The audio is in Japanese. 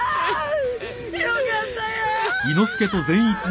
よかったよぉぉ！